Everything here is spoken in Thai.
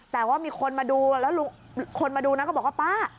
แต่ว่ามีคนมาดูแล้วคนมาดูนะก็บอกว่าป้า